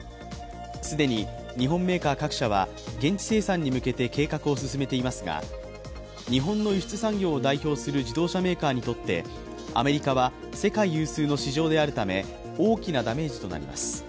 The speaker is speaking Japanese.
既に日本メーカー各社は現地生産に向けて計画を進めていますが日本の輸出産業を代表する自動車メーカーにとってアメリカは世界有数の市場であるため大きなダメージとなります。